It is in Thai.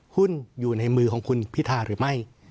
หุ้นอยู่ในมือของคุณพิธาหรือไม่